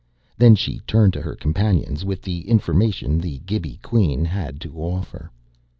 Then she turned to her companions with the information the Gibi Queen had to offer.